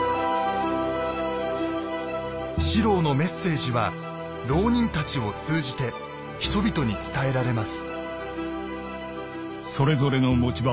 四郎のメッセージは牢人たちを通じて人々に伝えられます。